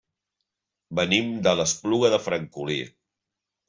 Venim de l'Espluga de Francolí.